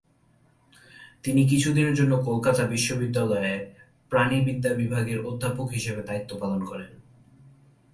তিনি কিছুদিনের জন্য কলকাতা বিশ্ববিদ্যালয়ে প্রাণিবিদ্যা বিভাগের অধ্যাপক হিসেবে দায়িত্ব পালন করেন।